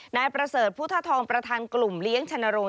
นายประเสริฐพุทธทองประธานกลุ่มเลี้ยงชนรงค